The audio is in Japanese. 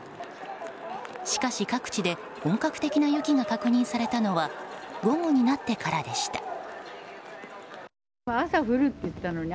しかし、各地で本格的な雪が確認されたのは午後になってからでした。